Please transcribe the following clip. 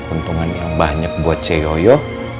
keuntungan yang banyak buat ceyo